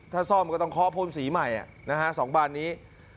ถ้าซ่อมก็ต้องเคาะโพนสีใหม่อ่ะนะฮะสองบานนี้